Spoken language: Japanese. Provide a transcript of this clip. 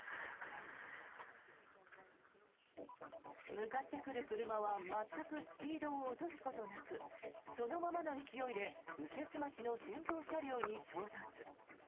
向かってくる車は全くスピードを落とすことなくそのままの勢いで右折待ちの先頭車両に衝突。